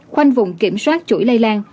khoanh vùng kiểm soát chuỗi lây lan